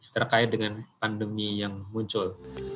terkait dengan pandemi yang muncul